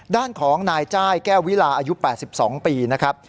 ด้านของนายจ้ายแก้ววิลาอายุ๘๒ปีนะครับ